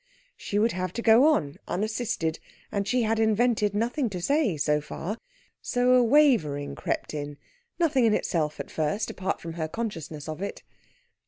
She would have to go on, unassisted, and she had invented nothing to say, so far. So a wavering crept in nothing in itself at first, apart from her consciousness of it.